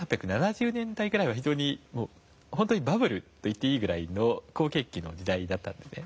１８７０年代ぐらいは本当にバブルと言っていいぐらいの好景気の時代だったんですね。